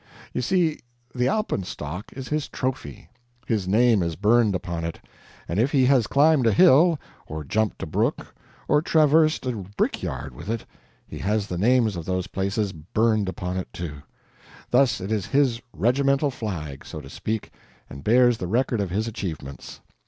You see, the alpenstock is his trophy; his name is burned upon it; and if he has climbed a hill, or jumped a brook, or traversed a brickyard with it, he has the names of those places burned upon it, too. Thus it is his regimental flag, so to speak, and bears the record of his achievements.